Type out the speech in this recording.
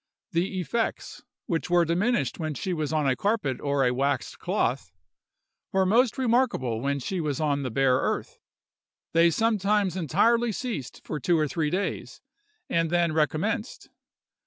The effects, which were diminished when she was on a carpet or a waxed cloth, were most remarkable when she was on the bare earth. They sometimes entirely ceased for two or three days, and then recommenced.